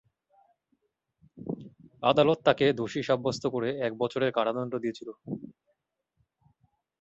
আদালত তাকে দোষী সাব্যস্ত করে এক বছরের কারাদন্ড দিয়েছিল।